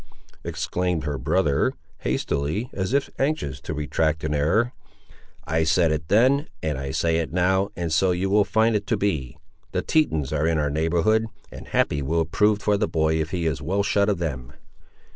exclaimed her brother, hastily, as if anxious to retract an error; "I said it then, and I say it now and so you will find it to be. The Tetons are in our neighbourhood, and happy will it prove for the boy if he is well shut of them."